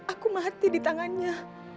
aku mati di tangannya